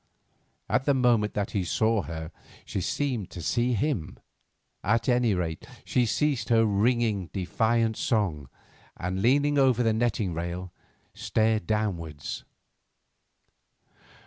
At the moment that he saw her she seemed to see him. At any rate, she ceased her ringing, defiant song, and, leaning over the netting rail, stared downwards.